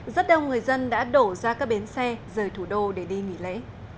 rất đông người dân đã đổ ra các bến xe rời thủ đô để đi nghỉ lễ